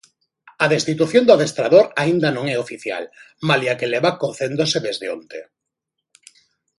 A destitución do adestrador aínda non é oficial, malia que leva cocéndose desde onte.